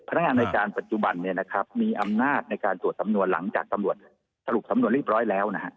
พนักงานในการปัจจุบันมีอำนาจในการตรวจสำนวนหลังจากตำรวจสรุปสำนวนเรียบร้อยแล้ว